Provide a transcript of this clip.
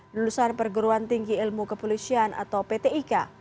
lulusan perguruan tinggi ilmu kepolisian atau pt ika